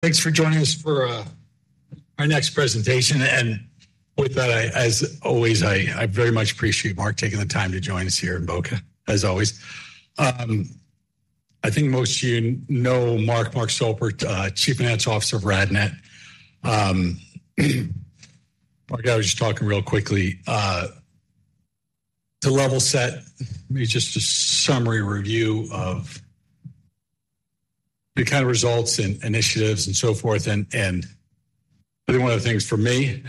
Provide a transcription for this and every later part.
Thanks for joining us for our next presentation. And with that, as always, I very much appreciate Mark taking the time to join us here in Boca, as always. I think most of you know Mark, Mark Stolper, Chief Financial Officer of RadNet. Mark, I was just talking real quickly to level set, maybe just a summary review of the kind of results and initiatives and so forth. But then one of the things for me,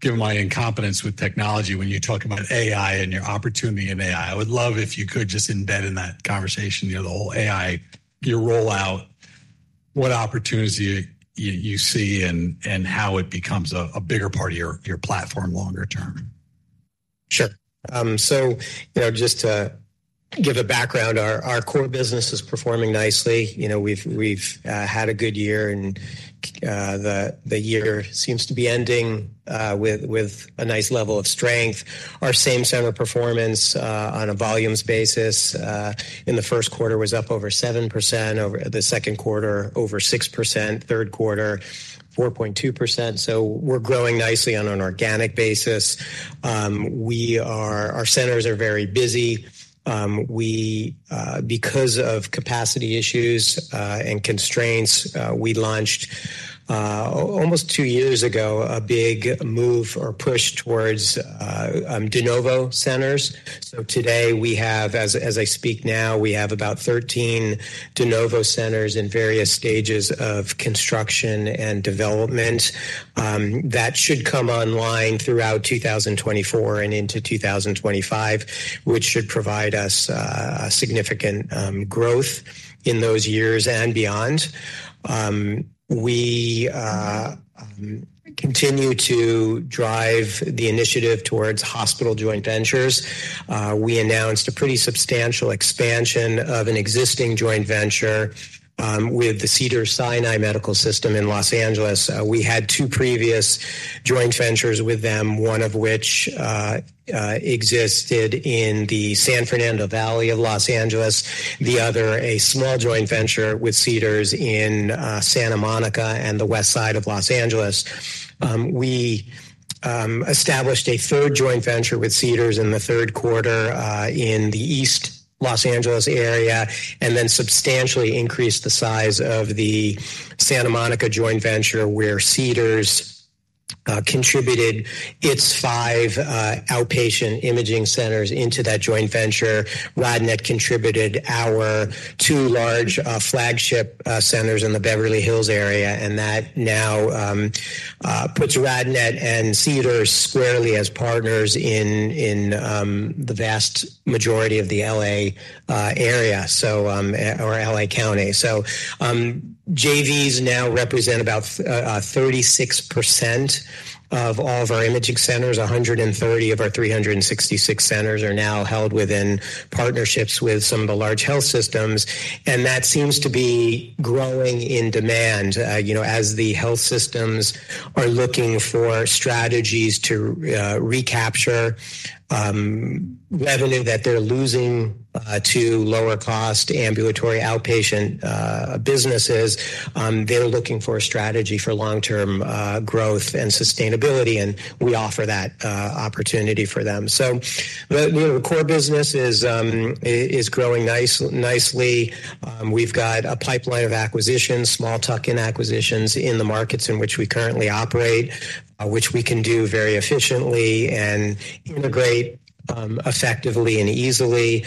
given my incompetence with technology, when you talk about AI and your opportunity in AI, I would love if you could just embed in that conversation, you know, the whole AI, your rollout, what opportunities you see and how it becomes a bigger part of your platform longer term. Sure. So, you know, just to give a background, our core business is performing nicely. You know, we've had a good year, and the year seems to be ending with a nice level of strength. Our same center performance, on a volumes basis, in the first quarter was up over 7%, over the second quarter, over 6%, third quarter, 4.2%. So we're growing nicely on an organic basis. Our centers are very busy. Because of capacity issues and constraints, we launched almost two years ago a big move or push towards de novo centers. So today, as I speak now, we have about 13 de novo centers in various stages of construction and development. That should come online throughout 2024 and into 2025, which should provide us significant growth in those years and beyond. We continue to drive the initiative towards hospital joint ventures. We announced a pretty substantial expansion of an existing joint venture with the Cedars-Sinai medical system in Los Angeles. We had two previous joint ventures with them, one of which existed in the San Fernando Valley of Los Angeles, the other a small joint venture with Cedars in Santa Monica and the west side of Los Angeles. We established a third joint venture with Cedars in the third quarter in the East Los Angeles area, and then substantially increased the size of the Santa Monica joint venture, where Cedars contributed its five outpatient imaging centers into that joint venture. RadNet contributed our two large flagship centers in the Beverly Hills area, and that now puts RadNet and Cedars squarely as partners in the vast majority of the L.A. area, so or L.A. County. So, JVs now represent about 36% of all of our imaging centers. 130 of our 366 centers are now held within partnerships with some of the large health systems, and that seems to be growing in demand, you know, as the health systems are looking for strategies to recapture revenue that they're losing to lower-cost ambulatory outpatient businesses. They're looking for a strategy for long-term growth and sustainability, and we offer that opportunity for them. So the core business is growing nicely. We've got a pipeline of acquisitions, small tuck-in acquisitions in the markets in which we currently operate, which we can do very efficiently and integrate effectively and easily.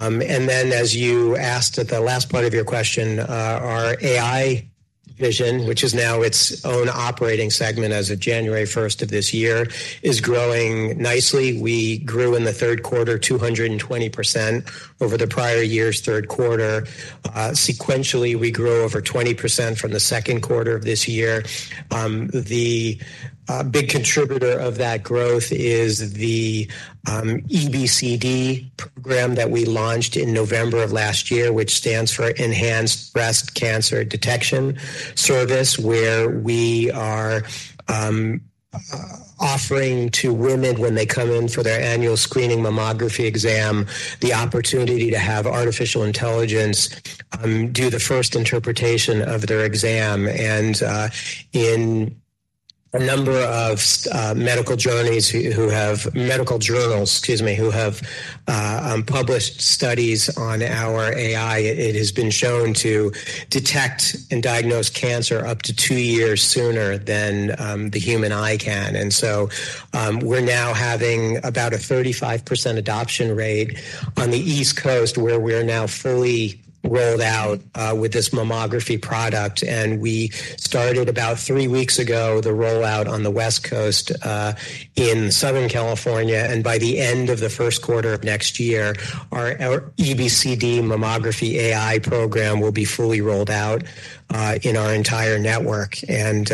And then, as you asked at the last part of your question, our AI vision, which is now its own operating segment as of January first of this year, is growing nicely. We grew in the third quarter, 220% over the prior year's third quarter. Sequentially, we grew over 20% from the second quarter of this year. The big contributor of that growth is the EBCD program that we launched in November of last year, which stands for Enhanced Breast Cancer Detection service, where we are offering to women when they come in for their annual screening mammography exam, the opportunity to have artificial intelligence do the first interpretation of their exam. In a number of medical journals, excuse me, who have published studies on our AI, it has been shown to detect and diagnose cancer up to 2 years sooner than the human eye can. So, we're now having about a 35% adoption rate on the East Coast, where we are now fully rolled out with this mammography product. We started about 3 weeks ago the rollout on the West Coast in Southern California, and by the end of the first quarter of next year, our EBCD mammography AI program will be fully rolled out in our entire network. And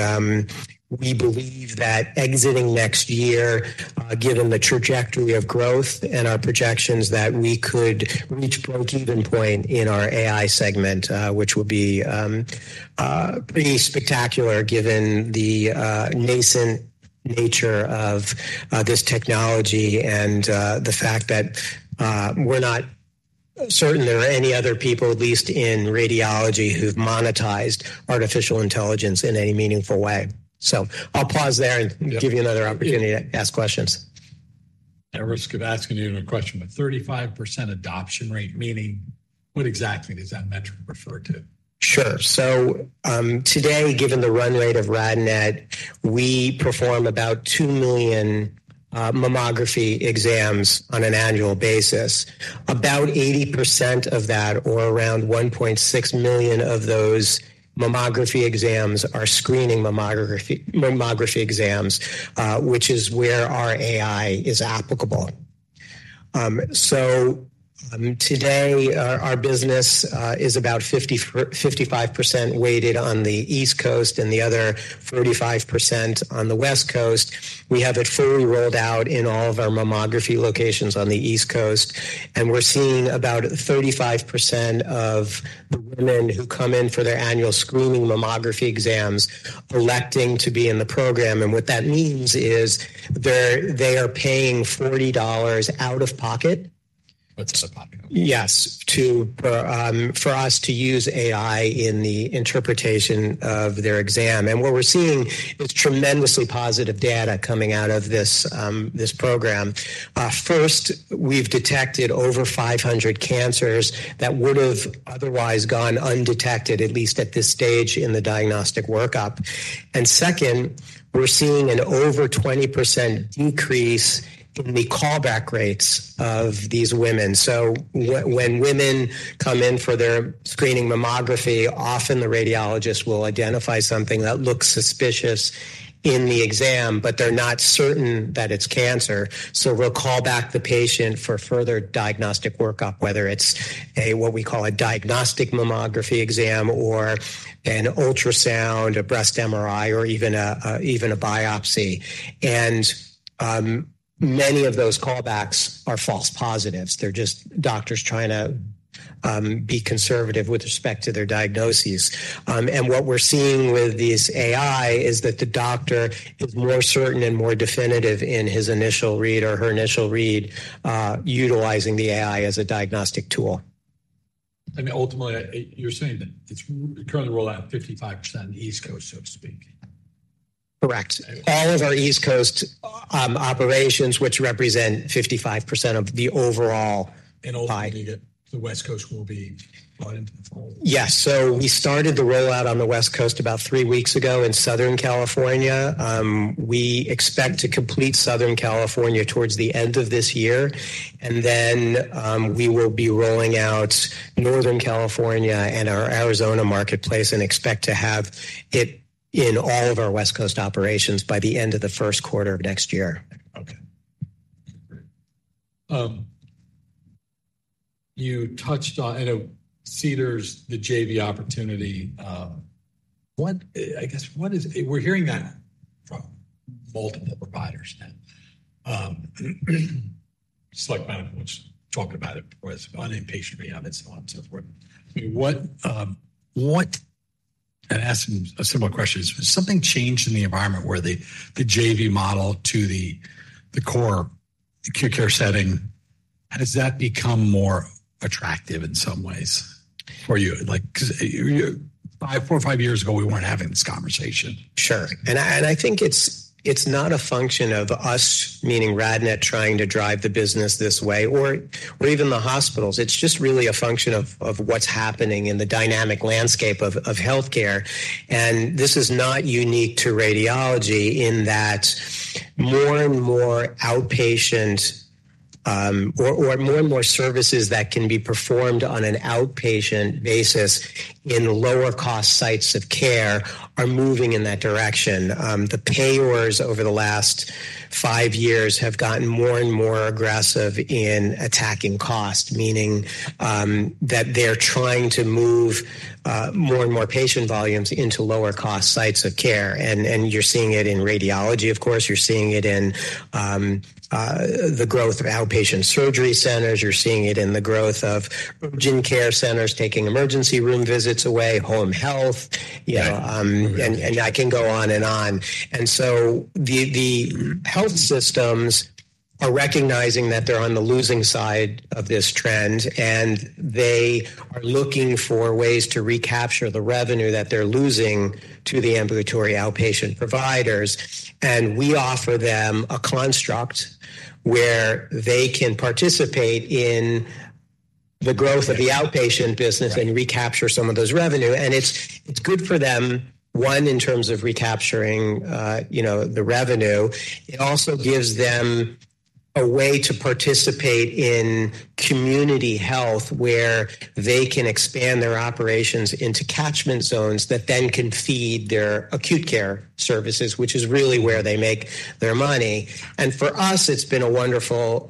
we believe that exiting next year, given the trajectory of growth and our projections, that we could reach breakeven point in our AI segment, which will be pretty spectacular given the nascent nature of this technology and the fact that we're not certain there are any other people, at least in radiology, who've monetized artificial intelligence in any meaningful way. So I'll pause there and give you another opportunity to ask questions. At risk of asking you a question, but 35% adoption rate, meaning what exactly does that metric refer to? Sure. So, today, given the run rate of RadNet, we perform about 2 million mammography exams on an annual basis. About 80% of that, or around 1.6 million of those mammography exams, are screening mammography exams, which is where our AI is applicable. So, today, our business is about 55% weighted on the East Coast and the other 35% on the West Coast. We have it fully rolled out in all of our mammography locations on the East Coast, and we're seeing about 35% of the women who come in for their annual screening mammography exams electing to be in the program. And what that means is they're paying $40 out of pocket- What's out of pocket? Yes, for us to use AI in the interpretation of their exam. What we're seeing is tremendously positive data coming out of this program. First, we've detected over 500 cancers that would have otherwise gone undetected, at least at this stage in the diagnostic workup. And second, we're seeing an over 20% increase in the callback rates of these women. So when women come in for their screening mammography, often the radiologist will identify something that looks suspicious in the exam, but they're not certain that it's cancer, so we'll call back the patient for further diagnostic workup, whether it's what we call a diagnostic mammography exam or an ultrasound, a breast MRI, or even a biopsy. And many of those callbacks are false positives. They're just doctors trying to be conservative with respect to their diagnoses. And what we're seeing with this AI is that the doctor is more certain and more definitive in his initial read or her initial read, utilizing the AI as a diagnostic tool. I mean, ultimately, you're saying that it's currently rolled out 55% East Coast, so to speak? Correct. All of our East Coast operations, which represent 55% of the overall- Ultimately, the West Coast will be brought into the fold? Yes. So we started the rollout on the West Coast about three weeks ago in Southern California. We expect to complete Southern California towards the end of this year, and then, we will be rolling out Northern California and our Arizona marketplace and expect to have it in all of our West Coast operations by the end of the first quarter of next year. Okay. You touched on, I know, Cedars, the JV opportunity. What, I guess, what is... We're hearing that from multiple providers now. Select Medical was talking about it with inpatient rehab and so on and so forth. I mean, what, what... I'm asking a similar question, has something changed in the environment where the, the JV model to the, the core, acute care setting, has that become more attractive in some ways for you? Like, 'cause you, 5, 4, 5 years ago, we weren't having this conversation. Sure. And I think it's not a function of us, meaning RadNet, trying to drive the business this way or even the hospitals. It's just really a function of what's happening in the dynamic landscape of healthcare. And this is not unique to radiology in that more and more outpatient or more and more services that can be performed on an outpatient basis in lower cost sites of care are moving in that direction. The payers over the last five years have gotten more and more aggressive in attacking cost, meaning that they're trying to move more and more patient volumes into lower cost sites of care, and you're seeing it in radiology, of course. You're seeing it in the growth of outpatient surgery centers. You're seeing it in the growth of urgent care centers, taking emergency room visits away, home health, you know. Yeah. I can go on and on. So the health systems are recognizing that they're on the losing side of this trend, and they are looking for ways to recapture the revenue that they're losing to the ambulatory outpatient providers. We offer them a construct where they can participate in the growth of the outpatient business- Right... and recapture some of those revenue. And it's, it's good for them, one, in terms of recapturing, you know, the revenue. It also gives them a way to participate in community health, where they can expand their operations into catchment zones that then can feed their acute care services, which is really where they make their money. And for us, it's been a wonderful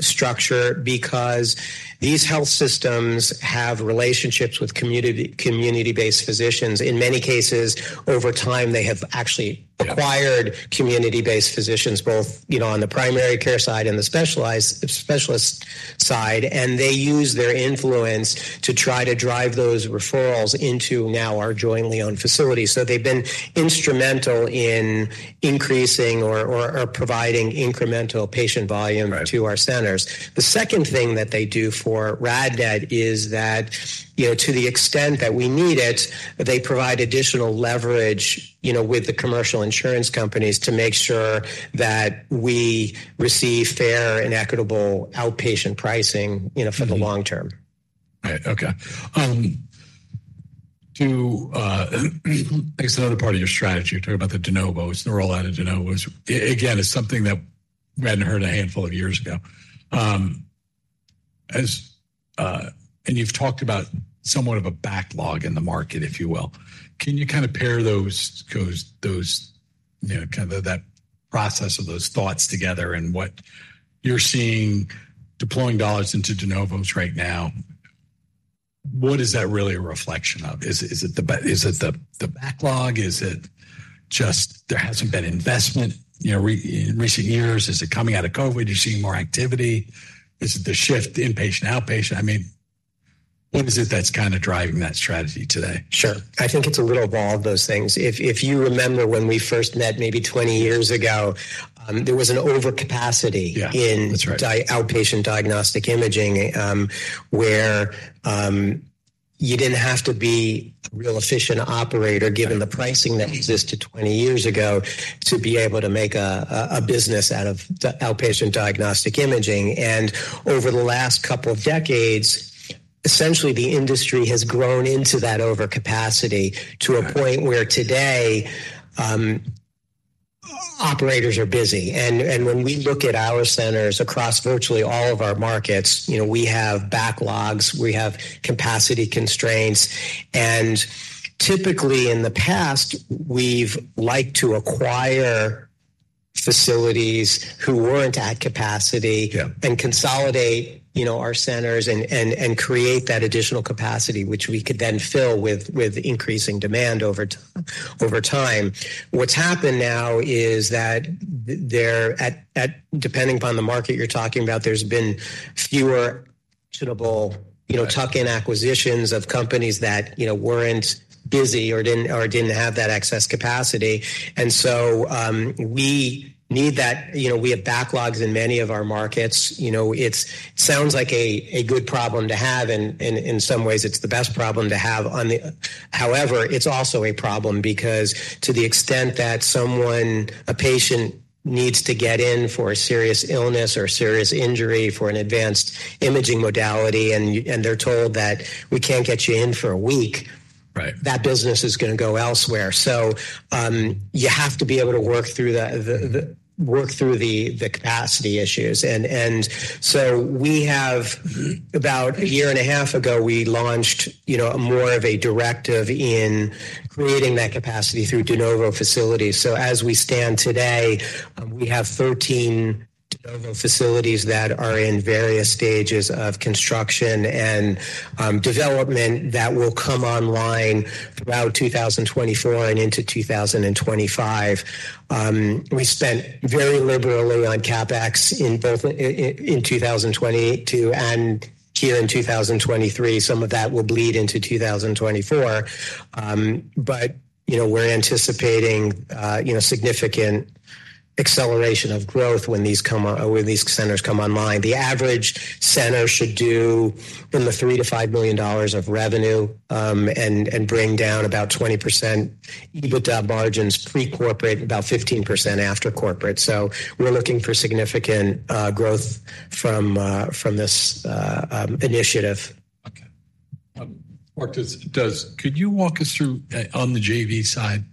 structure because these health systems have relationships with community, community-based physicians. In many cases, over time, they have actually acquired community-based physicians, both, you know, on the primary care side and the specialist side, and they use their influence to try to drive those referrals into now our jointly owned facilities. So they've been instrumental in increasing or providing incremental patient volume- Right. - to our centers. The second thing that they do for RadNet is that, you know, to the extent that we need it, they provide additional leverage, you know, with the commercial insurance companies to make sure that we receive fair and equitable outpatient pricing, you know. Mm-hmm. - for the long term. Right. Okay. To, I guess another part of your strategy, you talked about the de novos, the rollout of de novos. Again, it's something that we hadn't heard a handful of years ago. And you've talked about somewhat of a backlog in the market, if you will. Can you kinda pair those, you know, kind of that process of those thoughts together and what you're seeing deploying dollars into de novos right now? What is that really a reflection of? Is it the backlog? Is it just there hasn't been investment, you know, in recent years? Is it coming out of COVID, you're seeing more activity? Is it the shift, inpatient, outpatient? I mean, what is it that's kinda driving that strategy today? Sure. I think it's a little of all of those things. If you remember when we first met, maybe 20 years ago, there was an overcapacity- Yeah. - in- That's right. - outpatient diagnostic imaging, where you didn't have to be a real efficient operator- Right. Given the pricing that existed 20 years ago, to be able to make a business out of the outpatient diagnostic imaging. And over the last couple of decades, essentially, the industry has grown into that overcapacity to a point- Right... where today, operators are busy. And when we look at our centers across virtually all of our markets, you know, we have backlogs, we have capacity constraints. Typically, in the past, we've liked to acquire facilities who weren't at capacity- Yeah... and consolidate, you know, our centers and create that additional capacity, which we could then fill with increasing demand over time. What's happened now is that there, depending upon the market you're talking about, there's been fewer suitable, you know- Right... tuck-in acquisitions of companies that, you know, weren't busy or didn't have that excess capacity. And so, we need that. You know, we have backlogs in many of our markets. You know, it sounds like a good problem to have, and in some ways, it's the best problem to have on the... However, it's also a problem because to the extent that someone, a patient, needs to get in for a serious illness or serious injury, for an advanced imaging modality, and they're told that we can't get you in for a week- Right. that business is gonna go elsewhere. So, you have to be able to work through the capacity issues. And so we have- Mm-hmm. About a year and a half ago, we launched, you know, a more of a directive in creating that capacity through de novo facilities. So as we stand today, we have 13 de novo facilities that are in various stages of construction and development that will come online throughout 2024 and into 2025. We spent very liberally on CapEx in both 2022 and 2023. Some of that will bleed into 2024. But, you know, we're anticipating, you know, significant acceleration of growth when these centers come online. The average center should do $3 million-$5 million of revenue, and bring down about 20% EBITDA margins, pre-corporate, about 15% after corporate. So we're looking for significant growth from this initiative. Okay. Mark, could you walk us through on the JV side,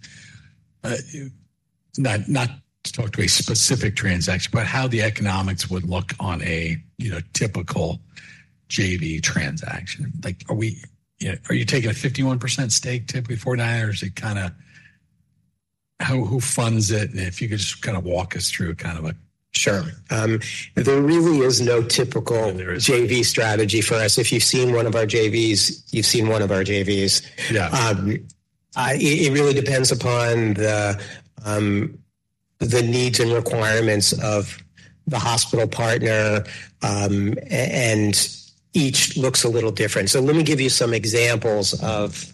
not to talk about a specific transaction, but how the economics would look on a, you know, typical JV transaction? Like, are we, you know, are you taking a 51% stake typically for control, or is it kinda... Who funds it? And if you could just kinda walk us through kind of a- Sure. There really is no typical- There is... JV strategy for us. If you've seen one of our JVs, you've seen one of our JVs. Yeah. It really depends upon the needs and requirements of the hospital partner, and each looks a little different. So let me give you some examples of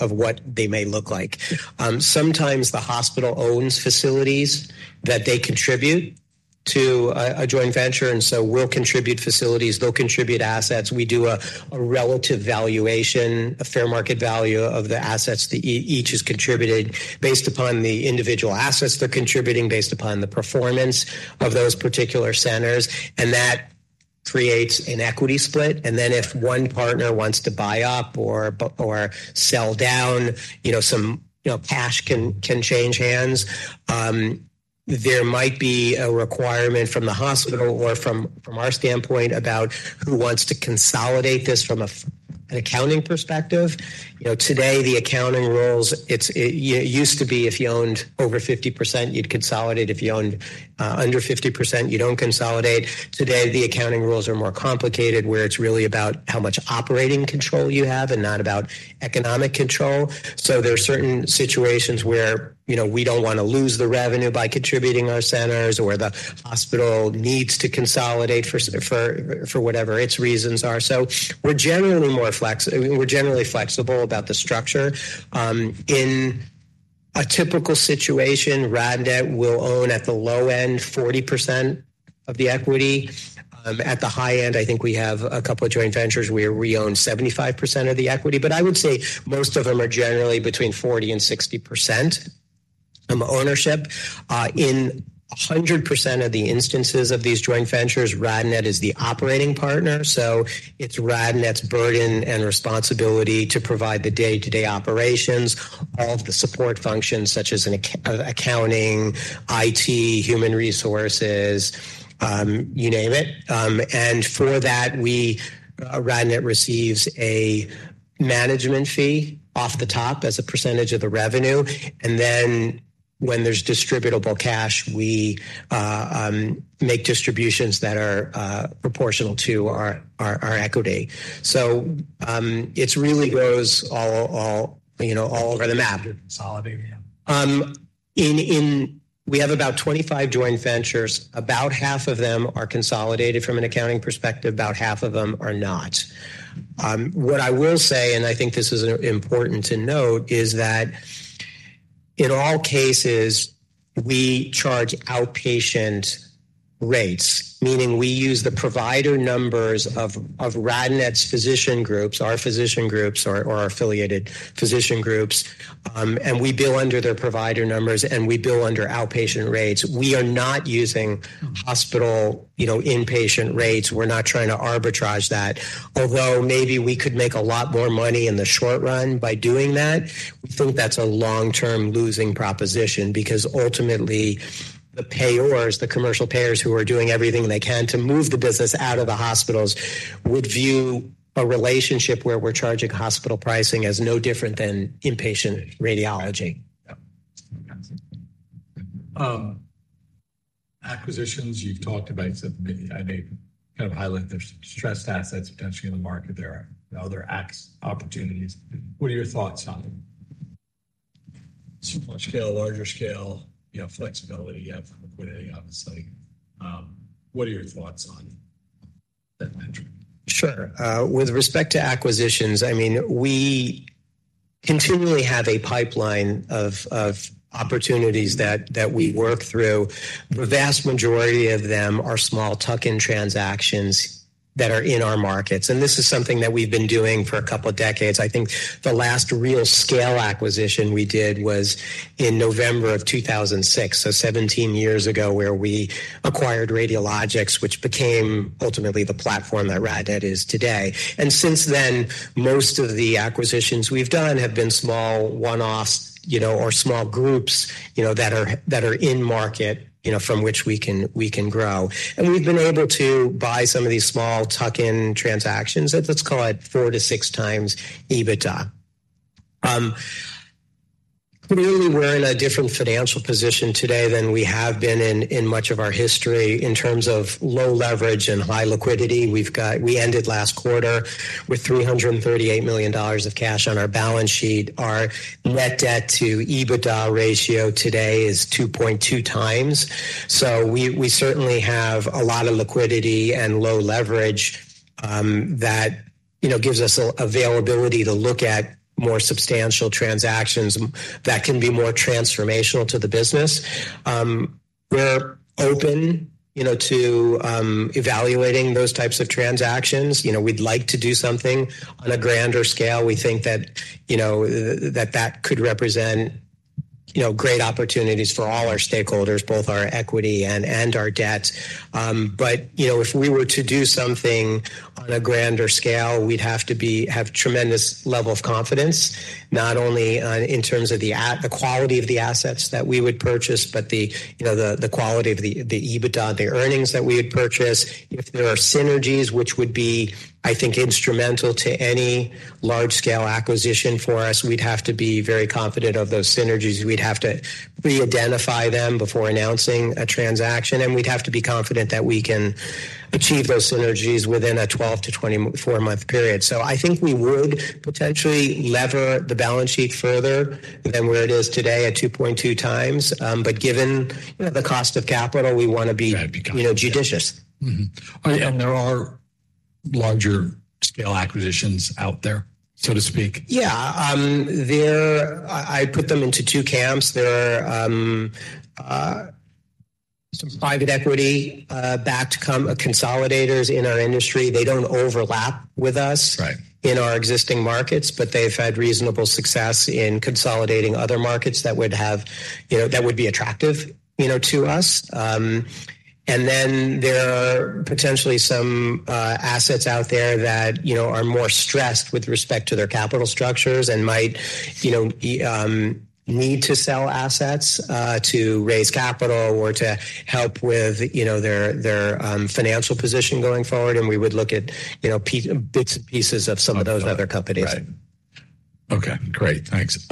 what they may look like. Sure. Sometimes the hospital owns facilities that they contribute to a joint venture, and so we'll contribute facilities, they'll contribute assets. We do a relative valuation, a fair market value of the assets that each has contributed, based upon the individual assets they're contributing, based upon the performance of those particular centers, and that creates an equity split. And then if one partner wants to buy up or sell down, you know, some cash can change hands. There might be a requirement from the hospital or from our standpoint about who wants to consolidate this from an accounting perspective, you know, today, the accounting rules used to be if you owned over 50%, you'd consolidate. If you owned under 50%, you don't consolidate. Today, the accounting rules are more complicated, where it's really about how much operating control you have and not about economic control. So there are certain situations where, you know, we don't want to lose the revenue by contributing our centers or the hospital needs to consolidate for whatever its reasons are. So we're generally flexible about the structure. In a typical situation, RadNet will own, at the low end, 40% of the equity. At the high end, I think we have a couple of joint ventures where we own 75% of the equity. But I would say most of them are generally between 40% and 60% ownership. In 100% of the instances of these joint ventures, RadNet is the operating partner, so it's RadNet's burden and responsibility to provide the day-to-day operations, all of the support functions, such as accounting, IT, human resources, you name it. And for that, we, RadNet receives a management fee off the top as a percentage of the revenue, and then when there's distributable cash, we make distributions that are proportional to our equity. So, it's really goes all, you know, all over the map. Consolidating, yeah. We have about 25 joint ventures. About half of them are consolidated from an accounting perspective, about half of them are not. What I will say, and I think this is important to note, is that in all cases, we charge outpatient rates, meaning we use the provider numbers of RadNet's physician groups, our physician groups or our affiliated physician groups, and we bill under their provider numbers, and we bill under outpatient rates. We are not using hospital, you know, inpatient rates. We're not trying to arbitrage that. Although maybe we could make a lot more money in the short run by doing that, we think that's a long-term losing proposition because ultimately, the payers, the commercial payers who are doing everything they can to move the business out of the hospitals, would view a relationship where we're charging hospital pricing as no different than inpatient radiology. Yep. Acquisitions, you've talked about some. I may kind of highlight, there's stressed assets potentially in the market. There are other ex opportunities. What are your thoughts on them? Small scale, larger scale, you know, flexibility you have with equity, obviously. What are your thoughts on that metric? Sure. With respect to acquisitions, I mean, we continually have a pipeline of opportunities that we work through. The vast majority of them are small tuck-in transactions that are in our markets, and this is something that we've been doing for a couple of decades. I think the last real scale acquisition we did was in November of 2006, so 17 years ago, where we acquired Radiologix, which became ultimately the platform that RadNet is today. And since then, most of the acquisitions we've done have been small one-offs, you know, or small groups, you know, that are in market, you know, from which we can grow. And we've been able to buy some of these small tuck-in transactions, let's call it 4-6 times EBITDA. Clearly, we're in a different financial position today than we have been in much of our history in terms of low leverage and high liquidity. We ended last quarter with $338 million of cash on our balance sheet. Our net debt to EBITDA ratio today is 2.2 times. So we certainly have a lot of liquidity and low leverage that, you know, gives us availability to look at more substantial transactions that can be more transformational to the business. We're open, you know, to evaluating those types of transactions. You know, we'd like to do something on a grander scale. We think that, you know, that could represent, you know, great opportunities for all our stakeholders, both our equity and our debt. But, you know, if we were to do something on a grander scale, we'd have to be, have tremendous level of confidence, not only on, in terms of the quality of the assets that we would purchase, but the, you know, the, the quality of the, the EBITDA, the earnings that we would purchase. If there are synergies, which would be, I think, instrumental to any large-scale acquisition for us, we'd have to be very confident of those synergies. We'd have to re-identify them before announcing a transaction, and we'd have to be confident that we can achieve those synergies within a 12-24 month period. So I think we would potentially lever the balance sheet further than where it is today at 2.2 times. But given, you know, the cost of capital, we want to be- That would be... You know, judicious. Mm-hmm. There are larger scale acquisitions out there, so to speak? Yeah. I put them into two camps. There are some private equity backed consolidators in our industry. They don't overlap with us- Right... in our existing markets, but they've had reasonable success in consolidating other markets that would have, you know, that would be attractive, you know, to us. And then there are potentially some assets out there that, you know, are more stressed with respect to their capital structures and might, you know, need to sell assets to raise capital or to help with, you know, their, their financial position going forward, and we would look at, you know, bits and pieces of some of those other companies. Right.... Okay, great. Thanks.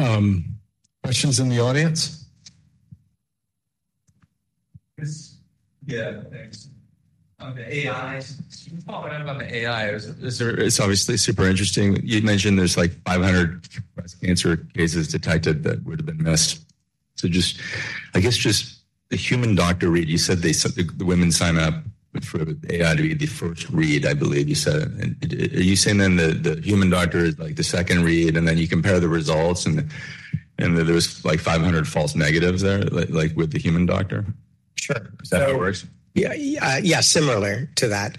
Questions in the audience? Yes. Yeah, thanks. On the AI, you were talking about the AI; it's obviously super interesting. You'd mentioned there's, like, 500 breast cancer cases detected that would have been missed. So just, I guess just the human doctor read, you said they, the, the women sign up for the AI to be the first read, I believe you said. And are you saying then that the human doctor is, like, the second read, and then you compare the results, and, and there was, like, 500 false negatives there, like, like with the human doctor? Sure. Is that how it works? Yeah. Yeah, similar to that.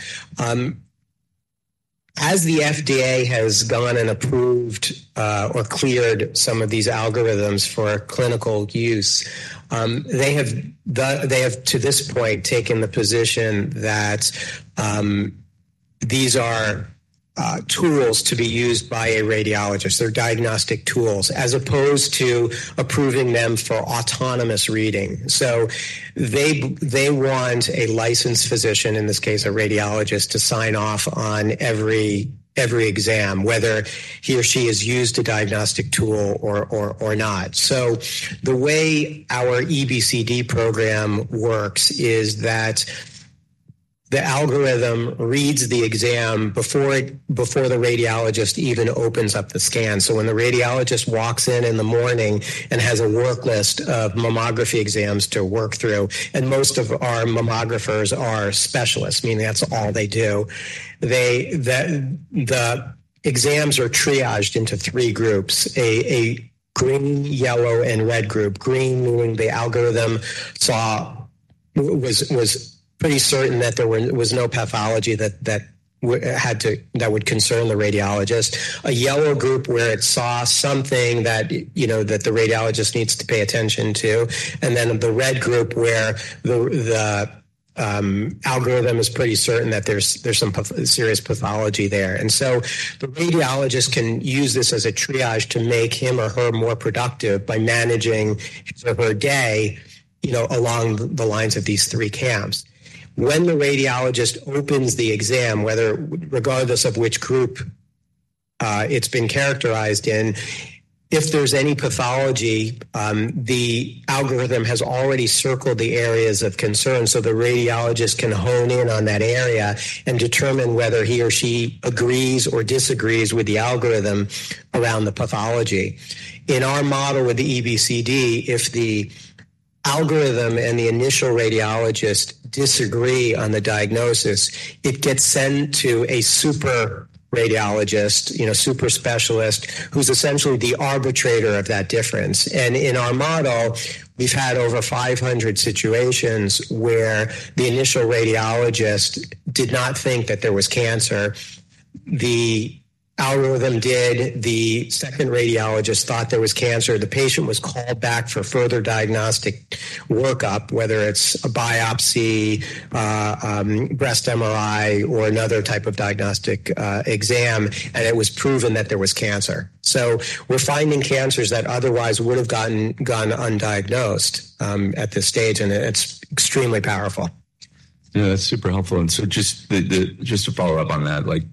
As the FDA has gone and approved or cleared some of these algorithms for clinical use, they have, to this point, taken the position that these are tools to be used by a radiologist. They're diagnostic tools, as opposed to approving them for autonomous reading. So they want a licensed physician, in this case, a radiologist, to sign off on every exam, whether he or she has used a diagnostic tool or not. So the way our EBCD program works is that the algorithm reads the exam before the radiologist even opens up the scan. So when the radiologist walks in in the morning and has a work list of mammography exams to work through, and most of our mammographers are specialists, meaning that's all they do. The exams are triaged into three groups: a green, yellow, and red group. Green, meaning the algorithm saw was pretty certain that there was no pathology that would concern the radiologist. A yellow group, where it saw something that, you know, that the radiologist needs to pay attention to, and then the red group, where the algorithm is pretty certain that there's some serious pathology there. And so the radiologist can use this as a triage to make him or her more productive by managing his or her day, you know, along the lines of these three camps. When the radiologist opens the exam, whether, regardless of which group it's been characterized in, if there's any pathology, the algorithm has already circled the areas of concern so the radiologist can hone in on that area and determine whether he or she agrees or disagrees with the algorithm around the pathology. In our model, with the EBCD, if the algorithm and the initial radiologist disagree on the diagnosis, it gets sent to a super radiologist, you know, super specialist, who's essentially the arbitrator of that difference. In our model, we've had over 500 situations where the initial radiologist did not think that there was cancer. The algorithm did, the second radiologist thought there was cancer. The patient was called back for further diagnostic workup, whether it's a biopsy, breast MRI or another type of diagnostic exam, and it was proven that there was cancer. So we're finding cancers that otherwise would have gone undiagnosed at this stage, and it's extremely powerful. Yeah, that's super helpful. And so just to follow up on that, like,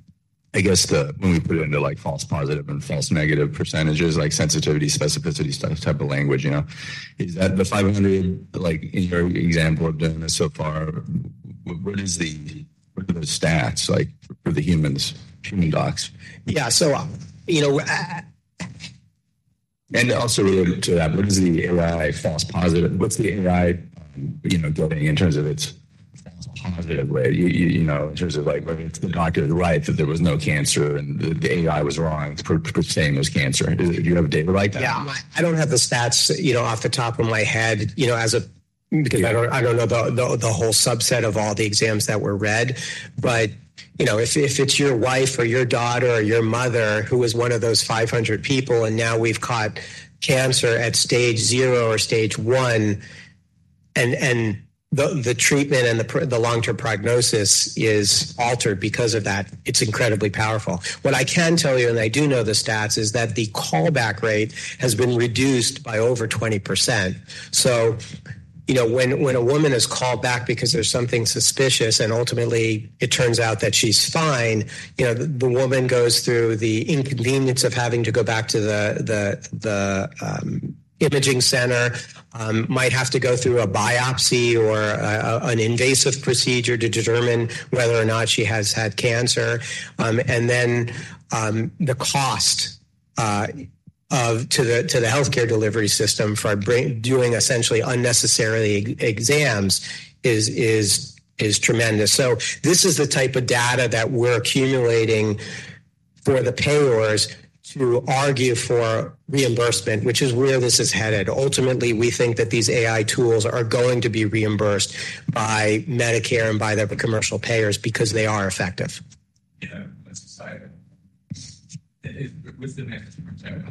I guess when we put it into, like, false positive and false negative percentages, like sensitivity, specificity, type of language, you know, is that the 500, like, in your example of doing this so far, what are the stats like for the humans, human docs? Yeah. So, you know- And also related to that, what is the AI false positive? What's the AI, you know, getting in terms of its false positive rate? You know, in terms of like, whether it's the doctor, the radiologist, that there was no cancer and the AI was wrong, saying it was cancer. Do you have data like that? Yeah. I don't have the stats, you know, off the top of my head, you know, as a- Yeah... because I don't know the whole subset of all the exams that were read. But, you know, if it's your wife or your daughter or your mother who was one of those 500 people, and now we've caught cancer at stage zero or stage one, and the treatment and the long-term prognosis is altered because of that, it's incredibly powerful. What I can tell you, and I do know the stats, is that the callback rate has been reduced by over 20%. So, you know, when a woman is called back because there's something suspicious, and ultimately it turns out that she's fine, you know, the woman goes through the inconvenience of having to go back to the imaging center, might have to go through a biopsy or an invasive procedure to determine whether or not she has had cancer. And then the cost to the healthcare delivery system for doing essentially unnecessary exams is tremendous. So this is the type of data that we're accumulating for the payers to argue for reimbursement, which is where this is headed. Ultimately, we think that these AI tools are going to be reimbursed by Medicare and by the commercial payers because they are effective. Yeah, as a society. What's the next project?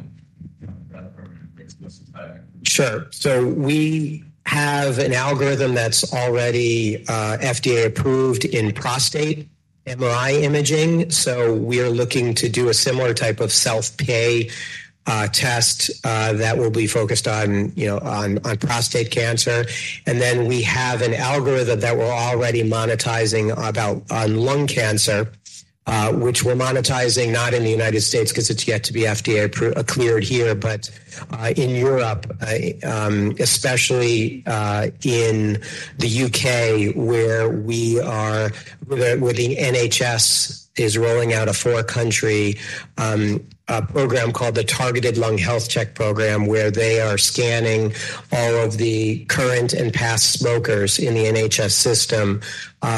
Sure. So we have an algorithm that's already FDA-approved in prostate MRI imaging. So we are looking to do a similar type of self-pay test that will be focused on, you know, prostate cancer. And then we have an algorithm that we're already monetizing about on lung cancer, which we're monetizing not in the United States, because it's yet to be FDA cleared here, but in Europe, especially in the U.K., where the NHS is rolling out a four-country program called the Targeted Lung Health Check program, where they are scanning all of the current and past smokers in the NHS system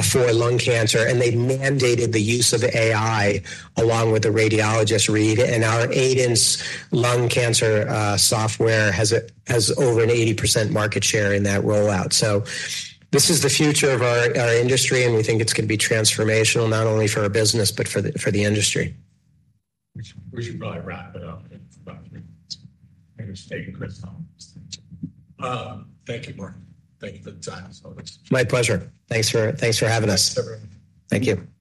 for lung cancer. They mandated the use of AI along with a radiologist read, and our AI in lung cancer software has over an 80% market share in that rollout. So this is the future of our industry, and we think it's going to be transformational not only for our business but for the industry. We should probably wrap it up in about three minutes. I think it's taking Chris home. Thank you, Mark. Thank you for the time. My pleasure. Thanks for having us. Thanks, everyone. Thank you.